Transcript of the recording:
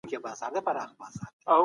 اسلام د افراط او تفریط ترمنځ لاره ده.